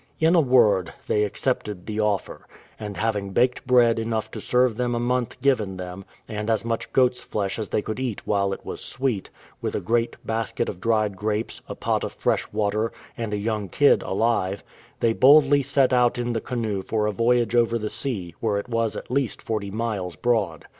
In a word, they accepted the offer; and having baked bread enough to serve them a month given them, and as much goats' flesh as they could eat while it was sweet, with a great basket of dried grapes, a pot of fresh water, and a young kid alive, they boldly set out in the canoe for a voyage over the sea, where it was at least forty miles broad.